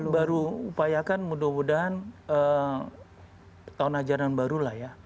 baru upayakan mudah mudahan tahun ajaran baru lah ya